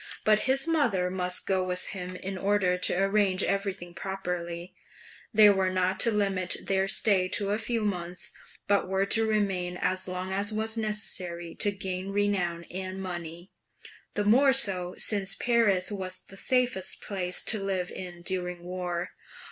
But his mother must go with him in order to arrange everything properly; they were not to limit their stay to a few months, but were to remain as long as was necessary to gain renown and money; the more so since Paris was the safest place to live in during war.